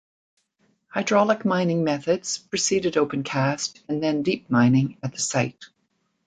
Hydraulic mining methods preceded opencast and then deep mining at the site.